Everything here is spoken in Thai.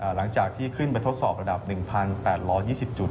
หลังจากที่ขึ้นไปทดสอบระดับ๑๘๒๐จุด